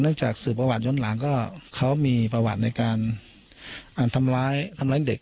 เนื่องจากสื่อประวัติย้นหลังก็เขามีประวัติในการทำร้ายเด็ก